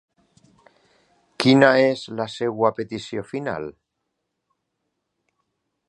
Quina és la seva petició final?